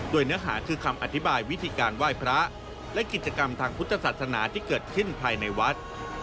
โดยเนื้อหาคือคำอธิบายวิธีการไหว้พระและกิจกรรมทางพุทธศาสนาที่เกิดขึ้นภายในวัด